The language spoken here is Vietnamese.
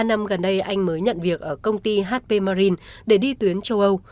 ba năm gần đây anh mới nhận việc ở công ty hp marines để đi tuyến châu âu